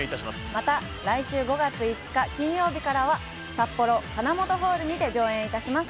また来週５月５日金曜日からは札幌カナモトホールにて上演いたします。